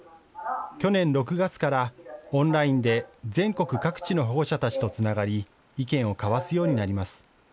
去年６月からオンラインで全国各地の保護者たちとつながり、意見を交わすようになります。